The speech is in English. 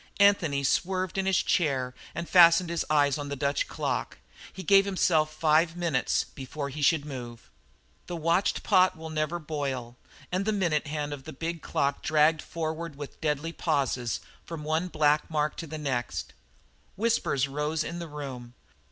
Anthony swerved in his chair and fastened his eyes on the Dutch clock. He gave himself five minutes before he should move. The watched pot will never boil, and the minute hand of the big clock dragged forward with deadly pauses from one black mark to the next. Whispers rose in the room.